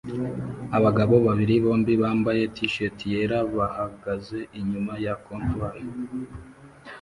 Abagabo babiri bombi bambaye t-shati yera bahagaze inyuma ya comptoir